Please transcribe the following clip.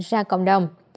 ra cộng đồng